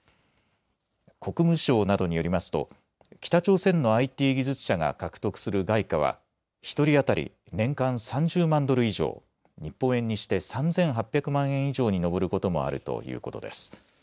国務省などによりますと北朝鮮のＩＴ技術者が獲得する外貨は１人当たり年間３０万ドル以上日本円にして３８００万円以上に上ることもあるということです。